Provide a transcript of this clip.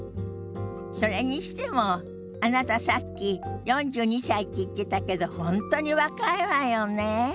それにしてもあなたさっき４２歳って言ってたけど本当に若いわよねえ。